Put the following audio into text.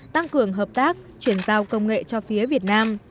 tăng cường hợp tác chuyển giao công nghệ cho phía việt nam